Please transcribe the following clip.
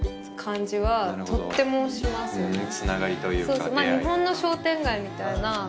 そうそう日本の商店街みたいな。